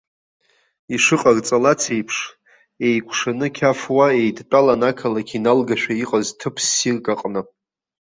Ишыҟарҵалац еиԥш, еикәшаны қьаф уа еидтәалан ақалақь иналгашәа иҟаз ҭыԥ ссирк аҟны.